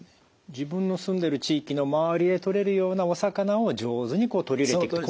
自分の住んでる地域の周りで取れるようなお魚を上手に取り入れていくとこういうイメージ？